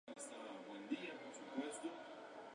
Fuente: folleto de "Goodbye Lullaby".